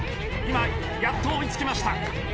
今やっと追い付きました。